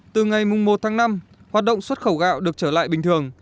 từ ngày một tháng năm hoạt động xuất khẩu gạo được trở lại bình thường